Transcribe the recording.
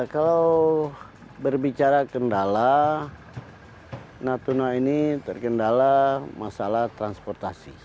kalau berbicara kendala natuna ini terkendala masalah transportasi